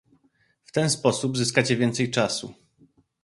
W ten sposób zyskacie więcej czasu